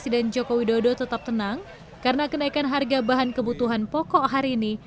dodo tetap tenang karena kenaikan harga bahan kebutuhan pokok hari ini